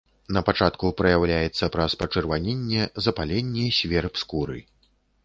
Напачатку праяўляецца праз пачырваненне, запаленне, сверб скуры.